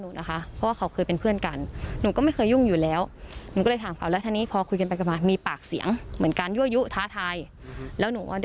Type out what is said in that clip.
หนูนะคะเพราะว่าเขาเคยเป็นเพื่อนกันหนูก็ไม่เคยยุ่งอยู่แล้วหนูก็เลยถามเขาแล้วทีนี้พอคุยกันไปกันมามีปากเสียงเหมือนการยั่วยุท้าทายแล้วหนูก็ได้